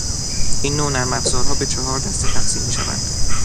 این نوع نرمافزارها به چهار دسته تقسیم میشوند